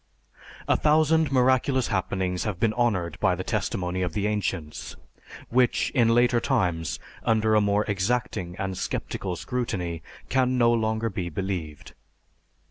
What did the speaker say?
_A thousand miraculous happenings have been honoured by the testimony of the ancients, which in later times under a more exacting and sceptical scrutiny can no longer be believed.